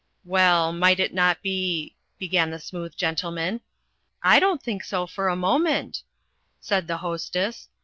"Well, might it not be ?" began the Smooth Gentleman. "I don't think so for a moment," said the Hostess.